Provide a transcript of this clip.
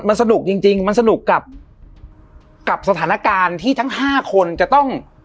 มันสนุกจริงจริงมันสนุกกับสถานการณ์ที่ทั้ง๕คนจะต้อง